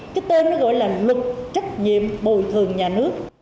cái tên nó gọi là luật trách nhiệm bồi thường nhà nước